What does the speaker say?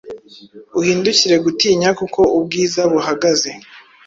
uhindukire gutinya kuko Ubwiza buhagaze